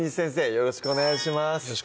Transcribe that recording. よろしくお願いします